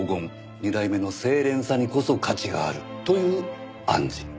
２代目の清廉さにこそ価値があるという暗示。